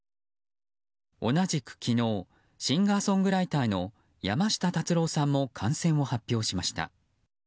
同じく昨日シンガーソングライターの山下達郎さんも感染を発表しました。